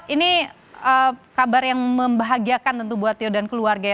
ini kabar yang membahagiakan tentu buat tio dan keluarga ya